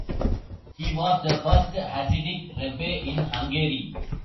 He was the first Hasidic Rebbe in Hungary.